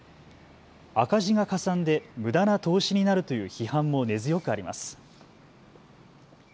赤字がかさんでむだな投資になるという批判も根強くあります。